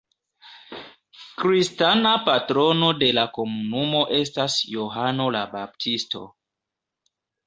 Kristana patrono de la komunumo estas Johano la Baptisto.